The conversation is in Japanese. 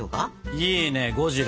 いいねゴジラ。